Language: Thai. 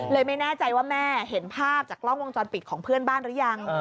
ไม่แน่ใจว่าแม่เห็นภาพจากกล้องวงจรปิดของเพื่อนบ้านหรือยัง